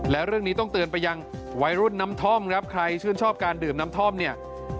และเรื่องนี้ต้องเตือนไปยังวัยรุ่นน้ำท่อมครับใครชื่นชอบการดื่มน้ำท่อมเนี่ย